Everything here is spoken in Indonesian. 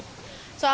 tapi masih sih